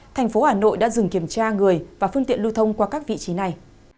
thành phố hà nội đã dừng kiểm tra người và phương tiện lưu thông qua các vị trí này